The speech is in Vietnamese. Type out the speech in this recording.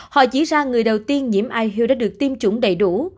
họ chỉ ra người đầu tiên nhiễm ihu đã được tiêm chủng đầy đủ